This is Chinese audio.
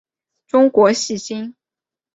中国细辛